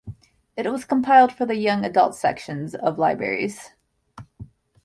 It was compiled for the Young Adult sections of libraries.